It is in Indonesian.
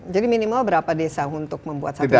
jadi minimal berapa desa untuk membuat satu jaringan